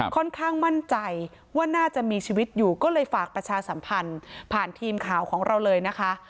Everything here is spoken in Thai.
ค่อนข้างมั่นใจว่าน่าจะมีชีวิตอยู่ก็เลยฝากประชาสัมพันธ์ผ่านทีมข่าวของเราเลยนะคะ